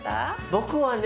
僕はね